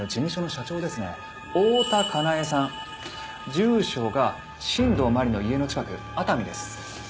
住所が新道真理の家の近く熱海です。